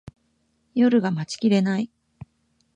夜が待ちきれない